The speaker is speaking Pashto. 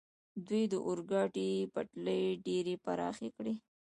دوی د اورګاډي پټلۍ ډېرې پراخې کړې.